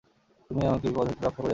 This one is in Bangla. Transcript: তুমি আমাকে বিপদ হইতে রক্ষা করিয়াছ।